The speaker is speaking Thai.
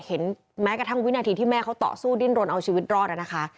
แม้กระทั่งวินาทีที่แม่เขาต่อสู้ดิ้นรนเอาชีวิตรอดนะคะ